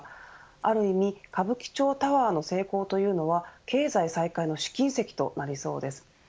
ある意味、歌舞伎町タワーの成功というのは経済再開の試金石となりそうです。